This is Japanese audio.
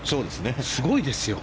すごいですよ。